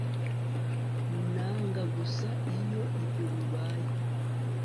Nanga gusa iyo ibyo bibaye